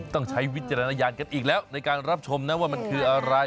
ต้องใช้วิจารณญาณกันอีกแล้วในการรับชมนะว่ามันคืออะไร